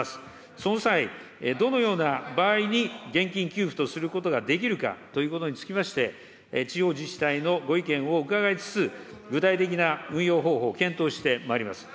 その際、どのような場合に現金給付とすることができるかということにつきまして、地方自治体のご意見を伺いつつ、具体的な運用方法を検討してまいります。